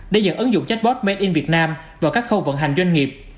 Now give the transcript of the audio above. để nhận ứng dụng chatbot made in việt nam vào các khâu vận hành doanh nghiệp